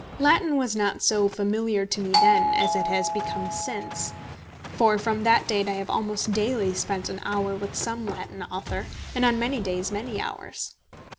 Latin was not so familiar to me then as it has since become, for from that date I have almost daily spent an hour with some Latin author, and on many days many hours.